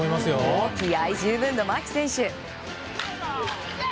気合十分の牧選手。